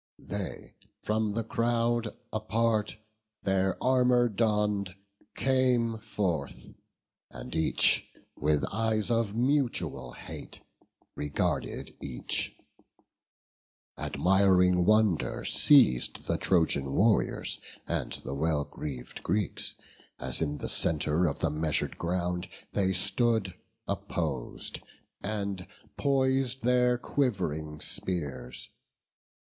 They, from the crowd apart their armour donn'd, Came forth: and each, with eyes of mutual hate, Regarded each: admiring wonder seiz'd The Trojan warriors and the well greav'd Greeks, As in the centre of the measur'd ground They stood oppos'd, and pois'd their quiv'ring spears.